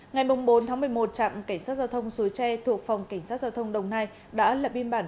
ngày bốn một mươi một trạm cảnh sát giao thông suối tre thuộc phòng cảnh sát giao thông đồng nai đã lập biên bản